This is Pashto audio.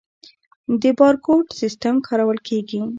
د بارکوډ سیستم کارول کیږي؟